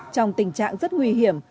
trong tình trạng rất nguy hiểm